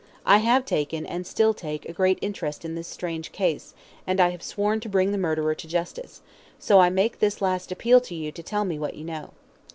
I have taken, and still take, a great interest in this strange case, and I have sworn to bring the murderer to justice; so I make this last appeal to you to tell me what you know.